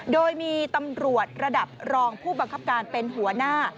โดยมีตำรวจระดับรองผู้บังคับการเป็นหัวหน้า